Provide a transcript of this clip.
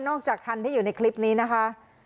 จากคันที่อยู่ในคลิปนี้นะคะ